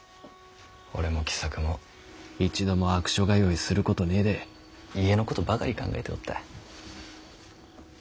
俺も喜作も一度も悪所通いすることねぇで家のことばかり考えておった。